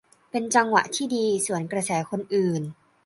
เป็นจังหวะที่ดีสวนกระแสคนอื่น